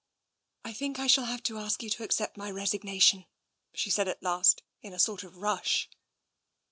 " I think I shall have to ask you to accept my resig nation," she said at last, in a sort of rush.